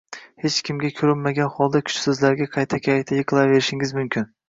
hech kimga ko’rinmagan holda kuchsizlarga qayta-qayta yiqilaverishingiz mumkin